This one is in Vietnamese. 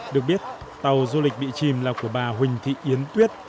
được biết tàu du lịch bị chìm là của bà huỳnh thị yến tuyết